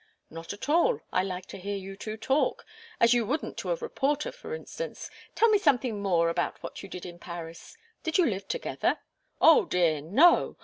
"Not at all. I like to hear you two talk as you wouldn't to a reporter, for instance. Tell me something more about what you did in Paris. Did you live together?" "Oh, dear, no!